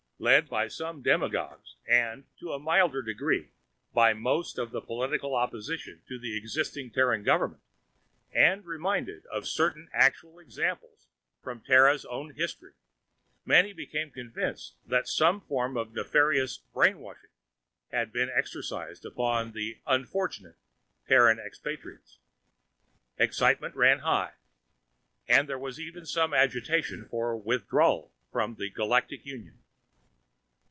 Led by some demagogues and, to a milder degree, by most of the political opposition to the existing Terran government, and reminded of certain actual examples from Terra's own history, many became convinced that some form of nefarious "brainwashing" had been exercised upon the "unfortunate" Terran expatriates. Excitement ran high, and there was even some agitation for withdrawal from the Galactic Union.